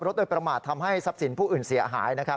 โดยประมาททำให้ทรัพย์สินผู้อื่นเสียหายนะครับ